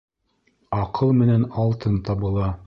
Аҡыл менән алтын табыла